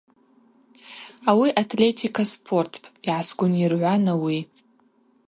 Ауи атлетика спортпӏ, – йгӏасгвынйыргӏвуан ауи.